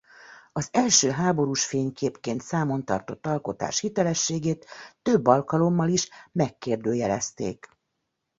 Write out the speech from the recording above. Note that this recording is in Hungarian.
Az első háborús fényképként számon tartott alkotás hitelességét több alkalommal is megkérdőjelezték.